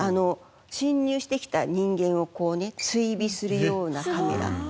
侵入してきた人間をこうね追尾するようなカメラ。